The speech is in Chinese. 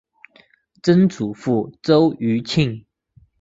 曾祖父周余庆。